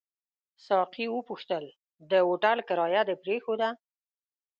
ساقي وپوښتل: د هوټل کرایه دې پرېښوده؟